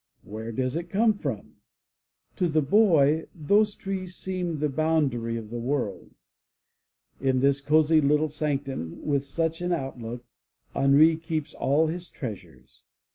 Where does it come from? To the boy, those trees seem the boundary of the world. In this cozy little sanctum, with such an outlook, Henri keeps all his treasures.